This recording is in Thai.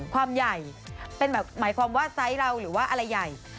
ความใหญ่เป็นแบบหมายความว่าไซส์เราหรือว่าอะไรใหญ่